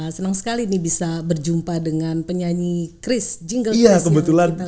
senang sekali nih bisa berjumpa dengan penyanyi kris jingle kris yang kita udah kenal